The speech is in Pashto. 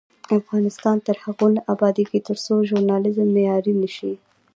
افغانستان تر هغو نه ابادیږي، ترڅو ژورنالیزم معیاري نشي.